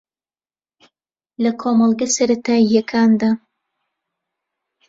لە کۆمەڵگە سەرەتایییەکاندا